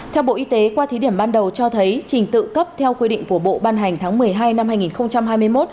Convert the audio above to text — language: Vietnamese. theo bộ y tế qua thí điểm ban đầu cho thấy trình tự cấp theo quy định của bộ ban hành tháng một mươi hai năm hai nghìn hai mươi một